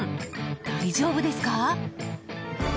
大丈夫ですか？